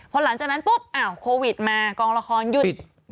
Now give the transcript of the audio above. พอหลังจากนั้นปุ๊บอ้าวโควิดมากองละครหยุด